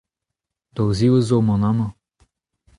Daou zevezh zo emaon amañ.